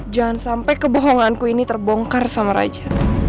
jangan sampai kebohonganku ini terbongkar sama raja